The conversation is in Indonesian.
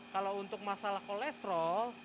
kalau untuk masalah kolesterol